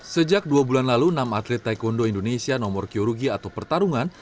sejak dua bulan lalu enam atlet taekwondo indonesia nomor kyorugi atau pertarungan